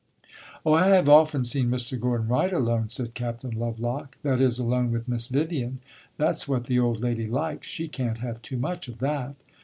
"Oh, I have often seen Mr. Gordon Wright alone," said Captain Lovelock "that is, alone with Miss Vivian. That 's what the old lady likes; she can't have too much of that."